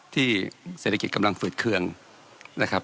เศรษฐกิจกำลังฝืดเคืองนะครับ